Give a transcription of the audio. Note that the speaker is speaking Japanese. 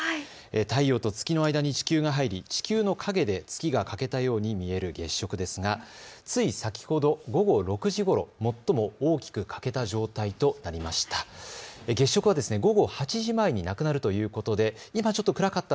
太陽と月の間に地球が入り地球の影で月が欠けたように見える月食ですがつい先ほど午後６時ごろ、最も大きく欠けた状態となりました。